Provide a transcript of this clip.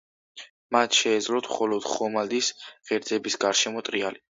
მათ შეეძლოთ მხოლოდ ხომალდის ღერძების გარშემო ტრიალი.